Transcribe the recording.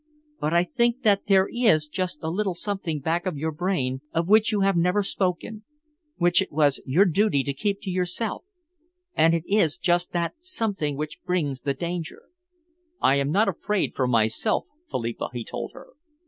But I think that there is just a little something back of your brain of which you have never spoken, which it was your duty to keep to yourself, and it is just that something which brings the danger." "I am not afraid for myself, Philippa," he told her.